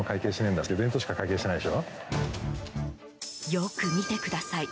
よく見てください。